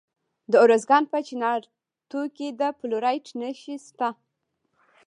د ارزګان په چنارتو کې د فلورایټ نښې شته.